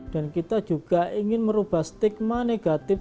dan kita juga ingin merubah stigma negatif